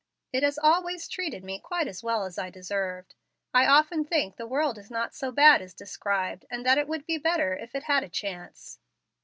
It has always treated me quite as well as I deserved. I often think the world is not so bad as described, and that it would be better, if it had a chance."